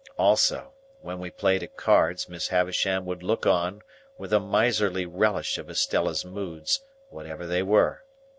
Also, when we played at cards Miss Havisham would look on, with a miserly relish of Estella's moods, whatever they were.